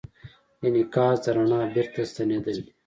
انعکاس د رڼا بېرته ستنېدل دي.